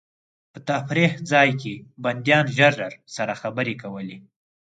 په تفریح ځای کې بندیان ژر ژر سره خبرې کولې.